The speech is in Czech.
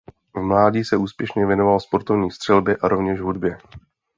V mládí se úspěšně věnoval sportovní střelbě a rovněž hudbě.